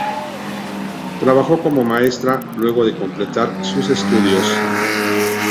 Trabajó como maestra luego de completar sus estudios.